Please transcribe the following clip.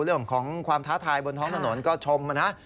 เรื่องของความท้าทายบนท้องถนนก็ชมนะ